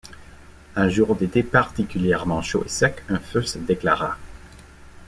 Un jour d'été particulièrement chaud et sec, un feu se déclara.